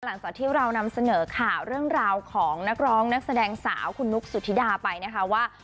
หลังจากที่เรานำเสนอข่าวเรื่องราวของนักร้องนักแสดงสาวคุณนุ๊กสุธิดาไปนะคะว่า